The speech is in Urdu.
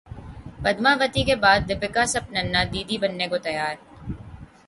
پدماوتی کے بعد دپیکا سپننا دی دی بننے کو تیار